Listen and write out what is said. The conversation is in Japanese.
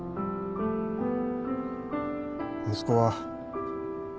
息子は。